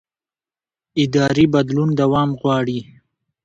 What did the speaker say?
اداري بدلون دوام غواړي